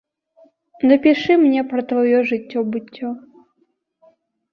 Напішы мне пра тваё жыццё-быццё.